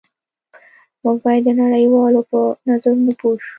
موږ باید د نړۍ والو په نظرونو پوه شو